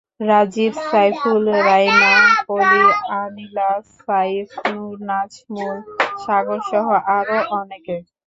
রাজিব, সাইফুল, রাইমা, কলি, আনিলা, সাইফ, নূর, নাজমুল, সাগরসহ আরও অনেকে।